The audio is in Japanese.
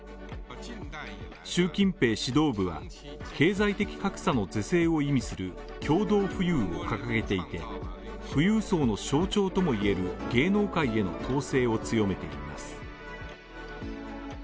習近平指導部は経済的格差の是正を意味する共同富裕を掲げていて、富裕層の象徴ともいえる芸能界への攻勢を強めています。